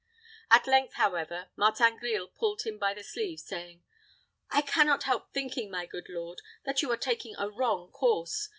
At length, however, Martin Grille pulled him by the sleeve, saying, "I can not help thinking, my good lord, that you are taking a wrong course.